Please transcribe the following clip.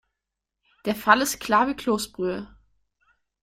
Der Fall ist klar wie Kloßbrühe.